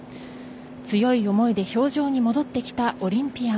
強い思いで氷上に戻ってきたオリンピアン。